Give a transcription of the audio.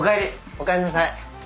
おかえりなさい。